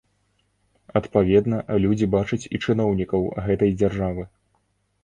Адпаведна, людзі бачаць і чыноўнікаў гэтай дзяржавы.